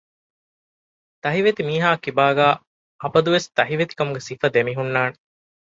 ދަހިވެތި މީހާގެކިބާގައި އަބަދުވެސް ދަހިވެތިކަމުގެ ސިފަ ދެމިހުންނާނެ